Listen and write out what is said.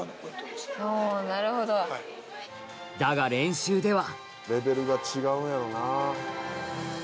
だが練習では